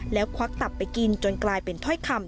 แล้วควักตับไปกินจนกลายเป็นถ้อยคำ